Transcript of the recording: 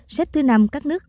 xếp thứ năm các nước asean